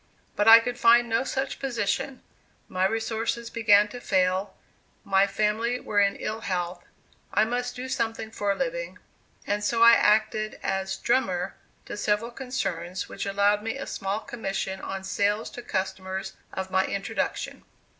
But I could find no such position; my resources began to fail; my family were in ill health; I must do something for a living; and so I acted as "drummer" to several concerns which allowed me a small commission on sales to customers of my introduction.